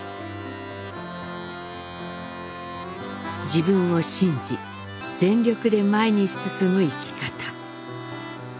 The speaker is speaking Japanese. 自分を信じ全力で前に進む生き方。